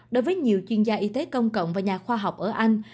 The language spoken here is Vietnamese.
đối với nhiều chuyên gia y tế công cộng và nhà khoa học ở anh